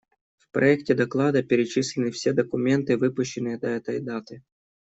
В проекте доклада перечислены все документы, выпущенные до этой даты.